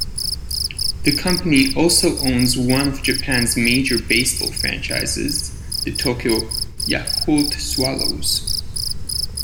The company also owns one of Japan's major baseball franchises, the Tokyo Yakult Swallows.